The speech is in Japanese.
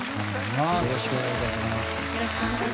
よろしくお願いします。